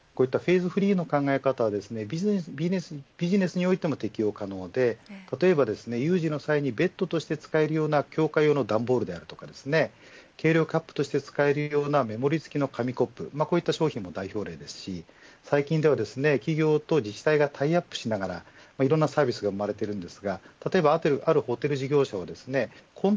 こういったフェーズフリーの考え方はビジネスにおいても適用可能で例えば有事の際にベッドとして使えるような強化用の段ボールとか計量カップとして使えるようなメモリ付きの紙コップこういった商品も代表例ですし最近では、企業と自治体がタイアップしながら、いろんなサービスが生まれています。